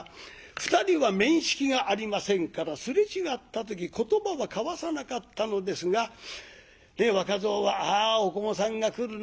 ２人は面識がありませんから擦れ違った時言葉は交わさなかったのですが若蔵は「あおこもさんが来るな」。